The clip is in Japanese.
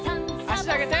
あしあげて。